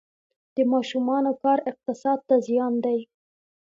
د ماشومانو کار اقتصاد ته زیان دی؟